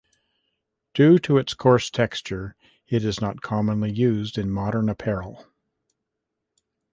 Due to its coarse texture, it is not commonly used in modern apparel.